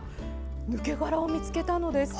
抜け殻を見つけたのです。